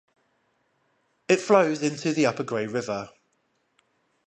It flows into the Upper Grey River.